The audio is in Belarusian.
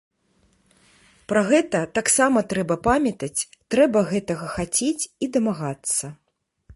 Пра гэта таксама трэба памятаць, трэба гэтага хацець і дамагацца.